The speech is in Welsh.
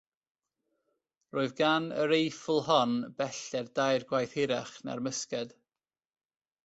Roedd gan y reiffl hon bellter dair gwaith hirach na'r mysged.